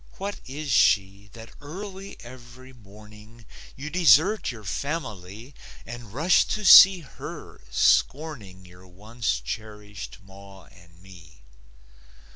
What is she That early every morning You desert your family And rush to see her, scorning Your once cherished ma and me?